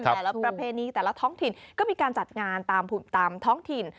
ประเพณีแต่ละท้องถิ่นก็มีการจัดงานตามท้องถิ่น